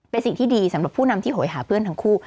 เป็นสิ่งที่ดีสำหรับผู้นำที่โหยหาเพื่อนทั้งคู่